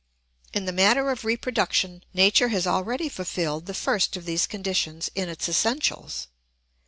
In the matter of reproduction nature has already fulfilled the first of these conditions in its essentials.